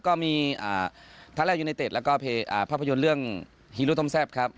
ก็มีท่านแรกยูไนเต็ดแล้วก็ภาพยนตร์เรื่องฮีโร่ต้มแซ่บครับ